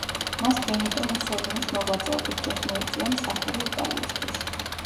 მას ბენიტო მუსოლინის მოღვაწეობის დროს მოუწია მსახური იტალიისთვის.